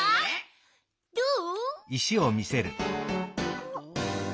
どう？